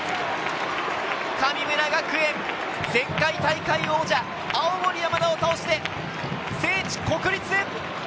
神村学園、前回大会王者・青森山田を倒して、聖地・国立へ！